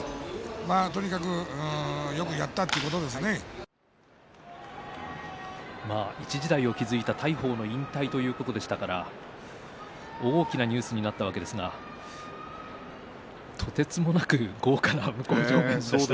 まあ、とにかく一時代を築いた大鵬の引退ということでしたから大きなニュースになったわけですが、とてつもなく豪華な向正面でしたね。